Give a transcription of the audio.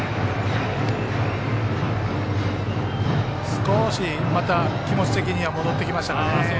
少しまた気持ち的には戻ってきましたかね。